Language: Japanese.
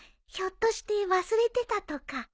ひょっとして忘れてたとか？